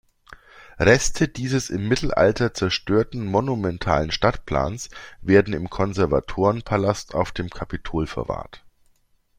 Reste dieses im Mittelalter zerstörten monumentalen Stadtplans werden im Konservatorenpalast auf dem Kapitol verwahrt.